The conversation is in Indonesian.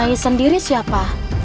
nyai sendiri siapa